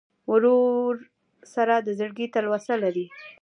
ورور سره د زړګي تلوسه لرې.